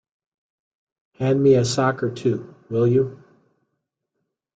Hand me a sock or two, will you?